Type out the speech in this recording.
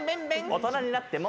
「大人になっても」